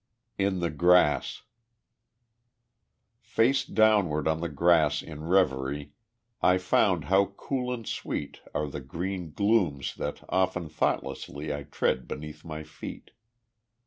In the Grass Face downward on the grass in reverie, I found how cool and sweet Are the green glooms that often thoughtlessly I tread beneath my feet.